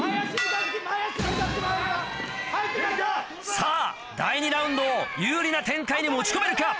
さぁ第２ラウンドを有利な展開に持ち込めるか？